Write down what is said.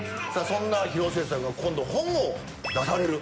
そんな広末さんが今度本を出される？